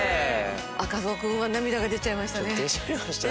赤楚君は涙が出ちゃいましたね。